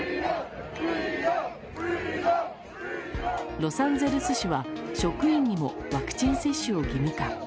ロサンゼルス市は職員にもワクチン接種を義務化。